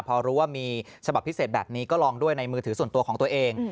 พอรู้ว่ามีฉบับพิเศษแบบนี้ก็ลองด้วยในมือถือส่วนตัวของตัวเอง